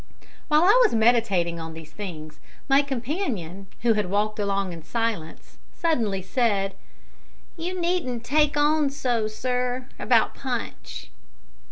While I was meditating on these things my companion, who had walked along in silence, suddenly said "You needn't take on so, sir, about Punch."